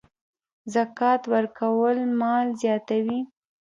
زکات ورکول مال زیاتوي.